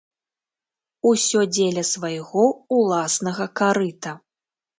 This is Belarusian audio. Усё дзеля свайго ўласнага карыта.